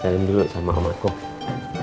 salim dulu sama om akum